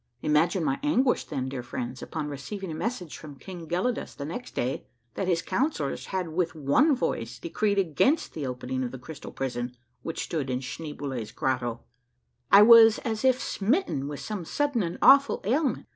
Imagine my anguish then, dear friends, upon receiving a mes sage from King Gelidiis the next day that his councillors had with one voice decreed against the opening of the crystal prison which stood in Schneeboule's grotto ! I was as if smitten with some sudden and awful ailment.